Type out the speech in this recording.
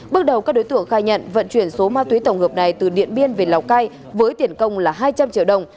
bước đầu các đối tượng khai nhận vận chuyển số ma túy tổng hợp này từ điện biên về lào cai với tiền công là hai trăm linh triệu đồng